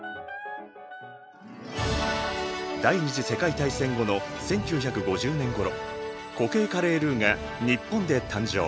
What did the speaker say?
第２次世界大戦後の１９５０年ごろ固形カレールーが日本で誕生。